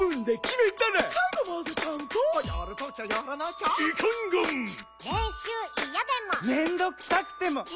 「めんどくさくても」